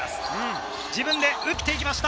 自分で打っていきました。